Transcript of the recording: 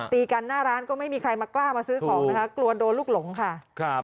ตีกันหน้าร้านก็ไม่มีใครมากล้ามาซื้อของนะคะกลัวโดนลูกหลงค่ะครับ